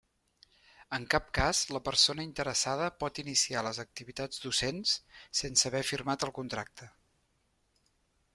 En cap cas la persona interessada pot iniciar les activitats docents sense haver firmat el contracte.